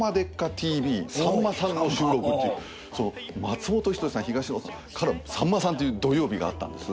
ＴＶ』さんまさんの収録っていうその松本人志さん東野さんからのさんまさんという土曜日があったんです。